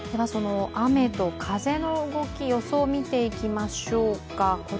雨と風の動き、予想見ていきましょうか。